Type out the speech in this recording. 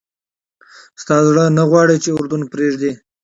ستا زړه نه غواړي چې اردن پرېږدې.